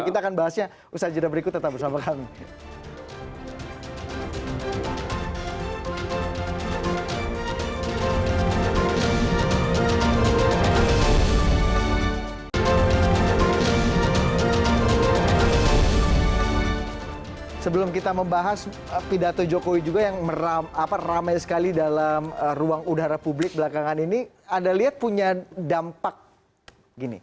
kita akan bahasnya usaha jadwal berikut tetap bersama kami